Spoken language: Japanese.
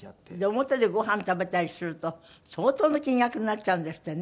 表でご飯食べたりすると相当の金額になっちゃうんですってね。